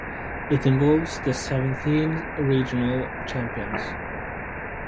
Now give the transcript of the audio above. It involves the seventeen regional champions.